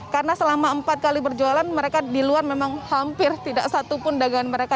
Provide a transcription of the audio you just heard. karena selama empat kali berjualan mereka di luar memang hampir tidak satu pun dagangan mereka